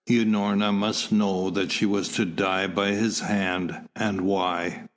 Unorna must know that she was to die by his hand, and why.